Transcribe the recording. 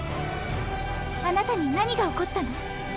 あなたに何が起こったの？